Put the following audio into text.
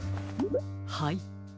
はい。